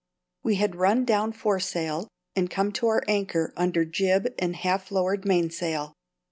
We had run down foresail and come to our anchor under jib and half lowered mainsail.